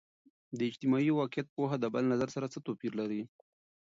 د اجتماعي واقعیت پوهه د بل نظر سره څه توپیر لري؟